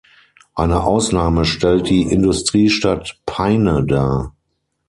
Eine Ausnahme stellt die Industriestadt Peine dar.